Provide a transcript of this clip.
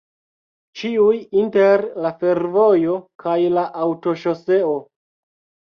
Ĉiuj inter la fervojo kaj la aŭtoŝoseo.